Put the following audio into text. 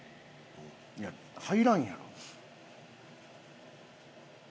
いや入らんやろ。